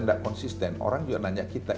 tidak konsisten orang juga nanya kita